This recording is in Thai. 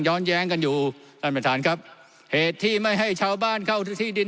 แย้งกันอยู่ท่านประธานครับเหตุที่ไม่ให้ชาวบ้านเข้าที่ดิน